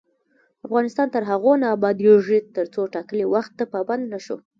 افغانستان تر هغو نه ابادیږي، ترڅو ټاکلي وخت ته پابند نشو.